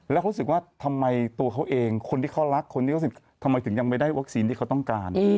แล้วเขารู้สึกว่าทำไมตัวเขาเองคนที่เขารักคนที่เขาทำไมถึงยังไม่ได้วัคซีนที่เขาต้องการ